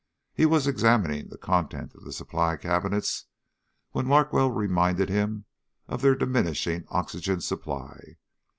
He was examining the contents of the supply cabinets when Larkwell reminded him of their diminishing oxygen supply.